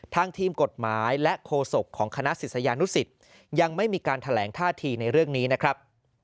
ทางทีมกฎหมายและโฆษกของคณะศิษยานุสิตยังไม่มีการแถลงท่าทีในเรื่องนี้นะครับ